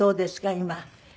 今。